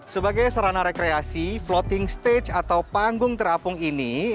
sebagai sarana rekreasi floating stage atau panggung terapung ini